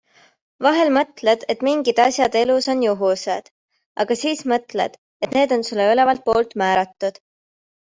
Vahel mõtled, et mingid asjad elus on juhused, aga siis mõtled, et need on sulle ülevalt poolt määratud.